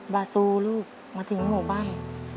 บาซูลูกมาทิ้งหัวบ้าง